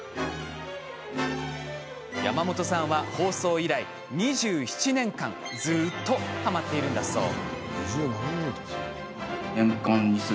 山本さんは、放送以来２７年間ずっと、はまっているんだそう。